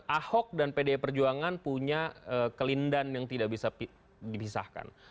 ahok dan pdi perjuangan punya kelindan yang tidak bisa dipisahkan